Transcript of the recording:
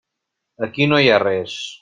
Aquí no hi ha res.